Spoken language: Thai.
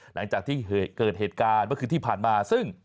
หลังจากที่เกิดเหตุการณ์เมื่อคืนที่ผ่านมาซึ่ง